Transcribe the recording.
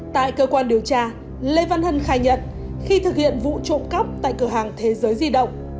tại cơ quan điều tra lê văn hân khai nhận khi thực hiện vụ trộm cắp tại cửa hàng thế giới di động